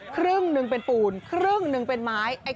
ครึ่งหนึ่งเป็นปูนครึ่งหนึ่งเป็นไม้